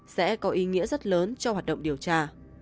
sẽ có ý nghĩa rất lớn cho hoạt động điều tra